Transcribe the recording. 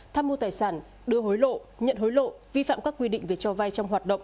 tham mưu tài sản đưa hối lộ nhận hối lộ vi phạm các quy định về cho vay trong hoạt động